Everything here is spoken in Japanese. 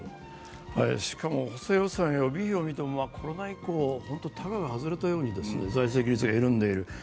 しかも、補正予算予備費を見ても、コロナ以降、たがが外れたように財政が緩んでいる。